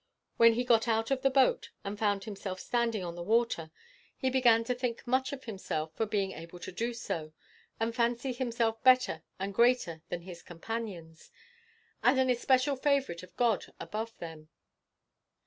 When he got out of the boat, and found himself standing on the water, he began to think much of himself for being able to do so, and fancy himself better and greater than his companions, and an especial favourite of God above them.